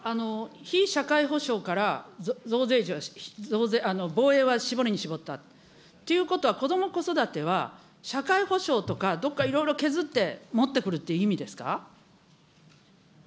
非社会保障から防衛は絞りに絞った。っていうことは、こども・子育ては社会保障とか、どこかいろいろ削って持ってくるって意味ですか。